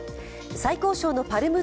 最高賞のパルム